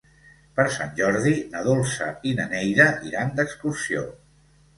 Per Sant Jordi na Dolça i na Neida iran d'excursió.